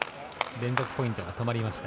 連続ポイントが止まりました。